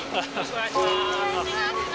お願いします！